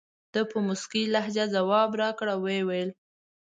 ده په موسکۍ لهجه ځواب راکړ او وویل.